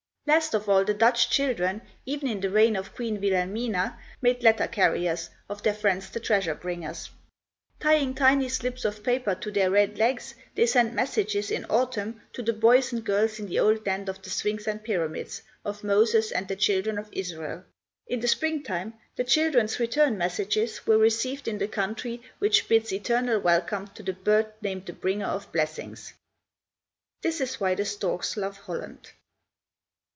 Last of all, the Dutch children, even in the reign of Queen Wilhelmina, made letter carriers of their friends the treasure bringers. Tying tiny slips of paper to their red legs, they sent messages, in autumn, to the boys and girls in the old land of the sphinx and pyramids, of Moses, and the children of Israel. In the spring time, the children's return messages were received in the country which bids eternal welcome to the bird named the Bringer of Blessings. This is why the storks love Holland.